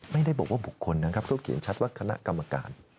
ไม่ได้บอกว่าบุคคลนะครับเขาเขียนชัดว่าคณะกรรมการ